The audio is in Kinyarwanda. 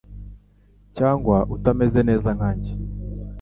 cyangwa utameze neza nkanjye